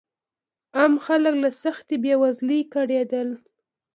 عام خلک له سختې بېوزلۍ کړېدل.